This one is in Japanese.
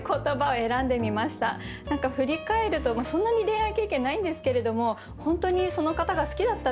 何か振り返るとまあそんなに恋愛経験ないんですけれども本当にその方が好きだったのかな？